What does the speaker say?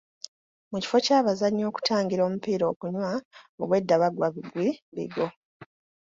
Mu kifo ky'abazannyi okutangira omupiira okunywa, obwedda bagwa bugwi bigwo.